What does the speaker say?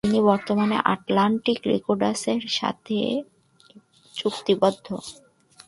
তিনি বর্তমানে Atlantic Records এর সাথে চুক্তিবদ্ধ।